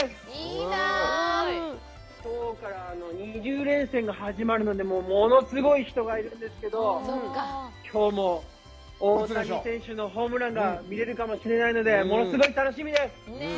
きょうから２０連戦が始まるので、物すごい人がいるんですけど、きょうも大谷選手のホームランが見れるかもしれないので、物すごい楽しみです！